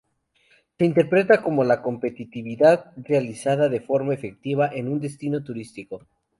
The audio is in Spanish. Se interpreta como la competitividad realizada de forma efectiva en un destino turístico.